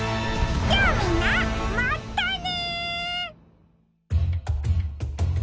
じゃあみんなまったね！